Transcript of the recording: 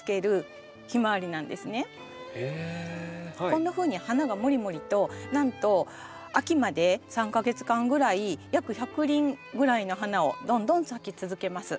こんなふうに花がもりもりとなんと秋まで３か月間ぐらい約１００輪ぐらいの花をどんどん咲き続けます。